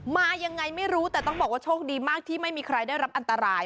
มายังไงไม่รู้แต่ต้องบอกว่าโชคดีมากที่ไม่มีใครได้รับอันตราย